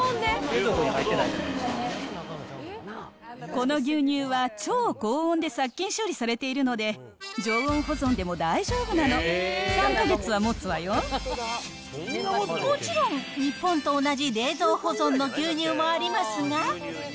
この牛乳は超高温で殺菌処理されているので、常温保存でも大丈夫もちろん、日本と同じ冷蔵保存の牛乳もありますが。